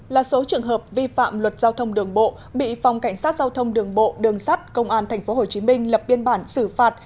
hai bốn trăm hai mươi bốn là số trường hợp vi phạm luật giao thông đường bộ bị phòng cảnh sát giao thông đường bộ đường sắt công an tp hcm lập biên bản xử phạt